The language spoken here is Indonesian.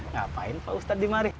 ngapain pak ustadz dimari